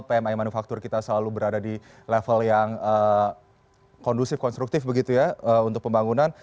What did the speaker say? pmi manufaktur kita selalu berada di level yang kondusif konstruktif begitu ya untuk pembangunan